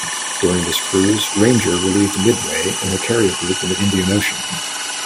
During this cruise, "Ranger" relieved "Midway" and her carrier group in the Indian Ocean.